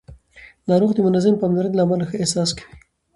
ناروغ د منظمې پاملرنې له امله ښه احساس کوي